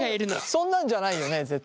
そんなんじゃないよね絶対。